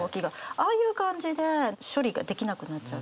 ああいう感じで処理ができなくなっちゃう。